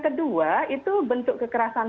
kedua itu bentuk kekerasan